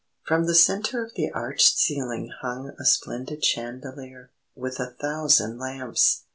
From the centre of the arched ceiling hung a splendid chandelier, with a thousand lamps.